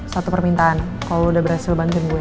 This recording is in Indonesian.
satu permintaan kalau udah berhasil bantuin gue